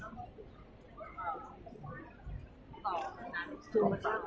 เวลาแรกพี่เห็นแวว